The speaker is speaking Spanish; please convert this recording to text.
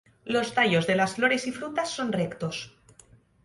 Los tallos de las flores y frutas son rectos.